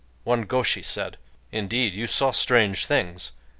One gōshi said:— "Indeed, you saw strange things.